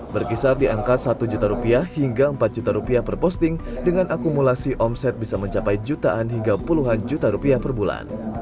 berkisar di angka satu juta rupiah hingga empat juta rupiah per posting dengan akumulasi omset bisa mencapai jutaan hingga puluhan juta rupiah per bulan